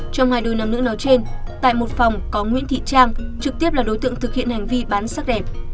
trong hai đôi nam nữ nói trên tại một phòng có nguyễn thị trang trực tiếp là đối tượng thực hiện hành vi bán sắc đẹp